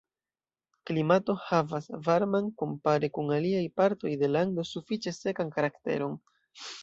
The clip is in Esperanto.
Klimato havas varman, kompare kun aliaj partoj de lando sufiĉe sekan karakteron.